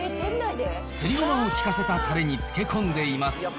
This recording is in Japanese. すりごまを効かせたたれに漬け込んでいます。